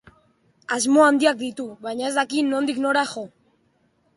Asmo handiak ditu baina ez daki nondik nora jo.